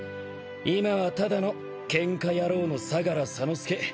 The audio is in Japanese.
今はただのケンカ野郎の相楽左之助。